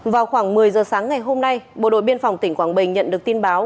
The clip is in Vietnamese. vào khoảng một mươi giờ sáng ngày hôm nay bộ đội biên phòng tỉnh quảng bình nhận được tin báo